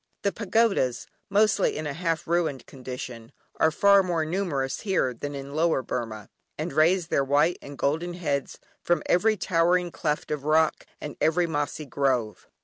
The pagodas, mostly in a half ruined condition, are far more numerous here than in Lower Burmah, and raise their white and golden heads from every towering cleft of rock, and every mossy grove.